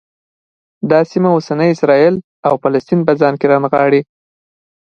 دا سیمه اوسني اسرایل او فلسطین په ځان کې رانغاړي.